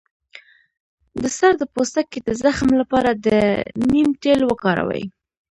د سر د پوستکي د زخم لپاره د نیم تېل وکاروئ